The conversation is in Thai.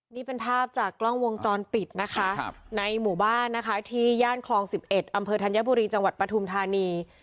นี่เป็นภาพจากกล้องวงจรปิดนะคะในหมู่บ้านนะคะที่ย่านคลอง๑๑อำเภอธัญบุรีจังหวัดปฐุมธานี